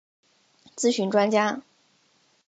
咨询专家